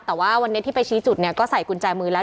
แต่ว่าวันนี้ที่ไปชี้จุดเนี่ยก็ใส่กุญแจมือแล้ว